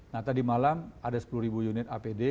nah tadi malam ada sepuluh ribu unit apd